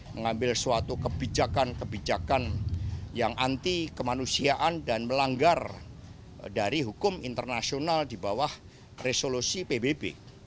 mengambil suatu kebijakan kebijakan yang anti kemanusiaan dan melanggar dari hukum internasional di bawah resolusi pbb